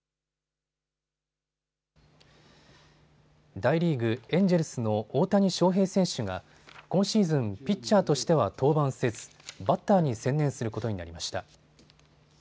大リーグ、エンジェルスの大谷翔平選手が今シーズン、ピッチャーとしては登板せずバッターに専念することになりました。